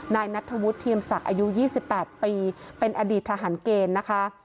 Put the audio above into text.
นายนัทธวุฒิเทียมศักดิ์อายุ๒๘ปีเป็นอดีตทหารเกณฑ์นะคะ